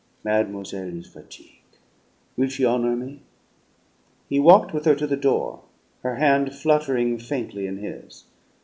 "Mademoiselle is fatigue'. Will she honor me?" He walked with her to the door. Her hand fluttering faintly in his.